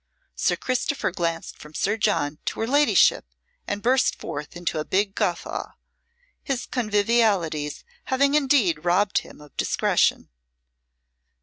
Sir Christopher glanced from Sir John to her ladyship and burst forth into a big guffaw, his convivialities having indeed robbed him of discretion.